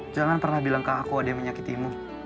jangan pernah bilang ke aku ada yang menyakitimu